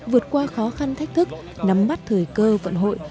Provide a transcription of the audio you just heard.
vượt qua khó khăn thách thức nắm mắt thời cơ vận hội